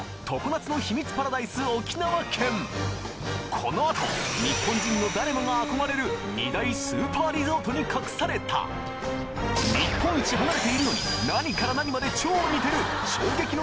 このあと日本人の誰もが憧れる２大スーパーリゾートに隠された日本一離れているのに何から何まで超似てる衝撃の